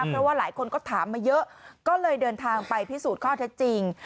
เพราะว่าหลายคนก็ถามมาเยอะก็เลยเดินทางไปพิสูจน์ข้อเท็จจริง